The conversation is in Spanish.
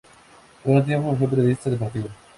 Por un tiempo fue periodista deportiva.